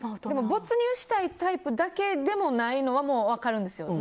没入したいタイプだけでもないのは、分かるんですよ。